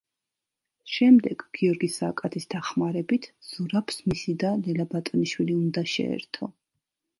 შემდეგ, გიორგი სააკაძის დახმარებით ზურაბს მისი და ლელა ბატონიშვილი უნდა შეერთო.